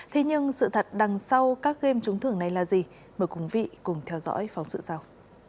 thế nhưng sự thật đằng sau các game trúng thưởng này là gì mời quý vị cùng theo dõi phóng sự sau